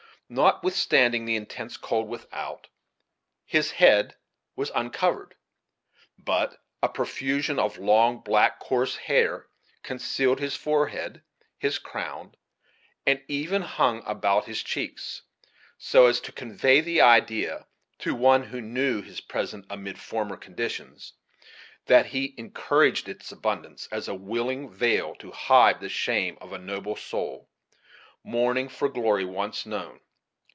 Notwithstanding the in tense cold without, his head was uncovered; but a profusion of long, black, coarse hair concealed his forehead, his crown, and even hung about his cheeks, so as to convey the idea, to one who knew his present amid former conditions, that he encouraged its abundance, as a willing veil to hide the shame of a noble soul, mourning for glory once known.